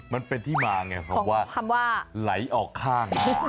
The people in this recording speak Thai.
มันเป็นที่มาของคำว่าไหลออกข้าง